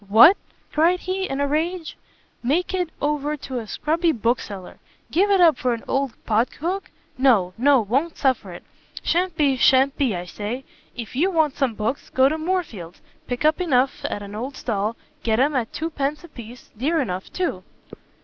"What," cried he, in a rage, "make it over to a scrubby bookseller! give it up for an old pot hook? no, no, won't suffer it; sha'n't be, sha'n't be, I say! if you want some books, go to Moorfields, pick up enough at an old stall; get 'em at two pence a piece; dear enough, too."